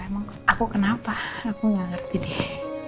emang aku kenapa aku gak ngerti dia